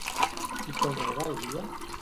I com era el dia?